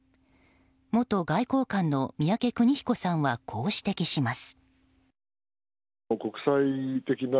元外交官の宮家邦彦さんはこう指摘します。